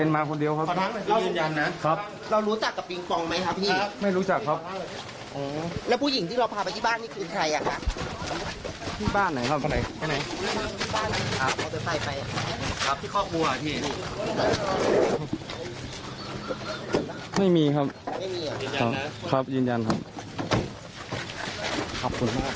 แล้วผู้หญิงที่เราพาไปขี้บ้านก็คือใครอ่ะฮะ